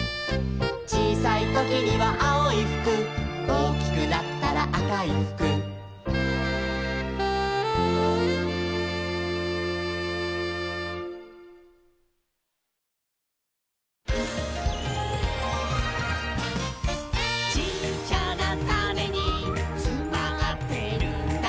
「ちいさいときにはあおいふく」「おおきくなったらあかいふく」「ちっちゃなタネにつまってるんだ」